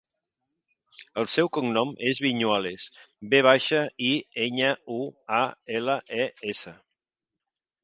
El seu cognom és Viñuales: ve baixa, i, enya, u, a, ela, e, essa.